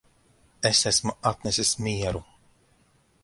Es esmu atnesis mieru